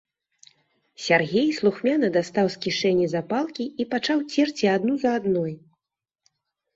Сяргей слухмяна дастаў з кішэні запалкі і пачаў церці адну за адной.